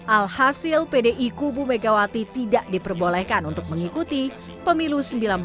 alhasil pdi kubu megawati tidak diperbolehkan untuk mengikuti pemilu seribu sembilan ratus empat puluh